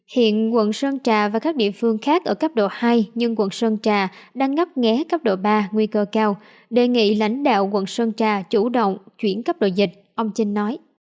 hiện quận sơn trà và các địa phương khác ở cấp độ hai nhưng quận sơn trà đang ngắp nghé cấp độ ba nguy cơ cao đề nghị lãnh đạo quận sơn trà chủ động chuyển cấp độ dịch ông chinh nói